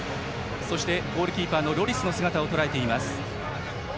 そしてゴールキーパーのロリスの姿をとらえています。